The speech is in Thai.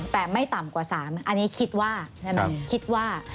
แต่ไม่ต่ำกว่า๓อันนี้คิดว่า